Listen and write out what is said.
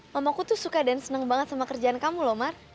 mamaku tuh suka dan senang banget sama kerjaan kamu loh mar